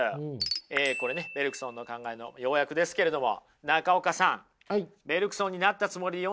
これねベルクソンの考えの要約ですけれども中岡さんベルクソンになったつもりで読んでみていただけますか。